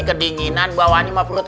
kedinginan bawahnya mau perut iseng ya